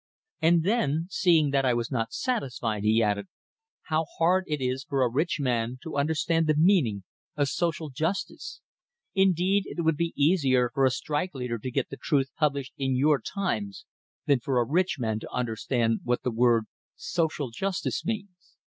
And then, seeing that I was not satisfied, he added: "How hard it is for a rich man to understand the meaning of social justice! Indeed, it would be easier for a strike leader to get the truth published in your 'Times', than for a rich man to understand what the word social justice means."